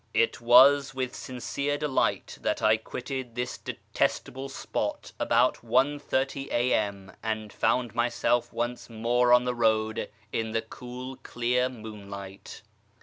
It was with sincere delight that I quitted this detestable spot about 1.30 a.m., and found myself once more on the road in the cool, clear moonlight.